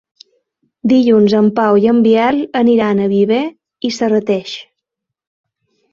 Dilluns en Pau i en Biel aniran a Viver i Serrateix.